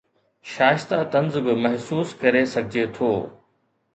شائستہ طنز به محسوس ڪري سگھجي ٿو